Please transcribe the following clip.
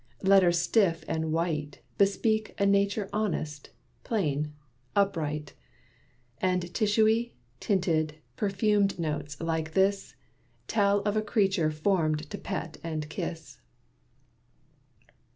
Letters stiff and white Bespeak a nature honest, plain, upright. And tissuey, tinted, perfumed notes, like this, Tell of a creature formed to pet and kiss."